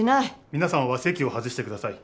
皆さんは席を外してください。